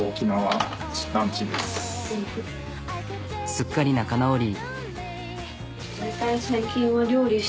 すっかり仲直り。